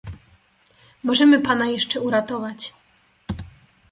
"Możemy pana jeszcze uratować."